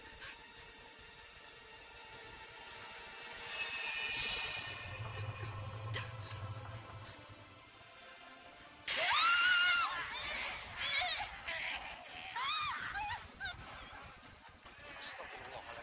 jalan kung jalan se di sini ada pesta besar besaran